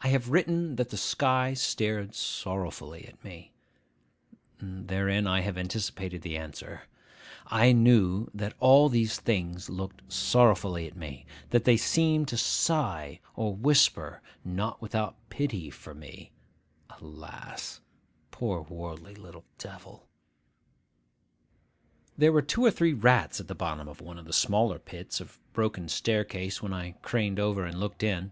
I have written that the sky stared sorrowfully at me. Therein have I anticipated the answer. I knew that all these things looked sorrowfully at me; that they seemed to sigh or whisper, not without pity for me, 'Alas! poor worldly little devil!' There were two or three rats at the bottom of one of the smaller pits of broken staircase when I craned over and looked in.